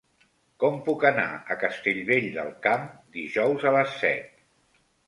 Com puc anar a Castellvell del Camp dijous a les set?